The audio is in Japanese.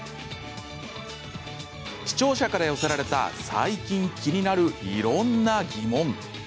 視聴者から寄せられた最近気になる、いろんな疑問。